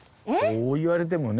そう言われてもね。